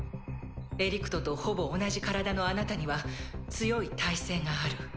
エリクトとほぼ同じ体のあなたには強い耐性がある。